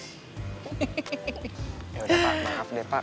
ya udah pak maaf deh pak